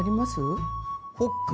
ホック。